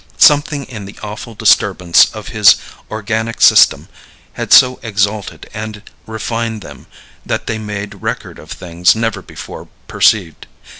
Something in the awful disturbance of his organic system had so exalted and refined them that they made record of things never before perceived.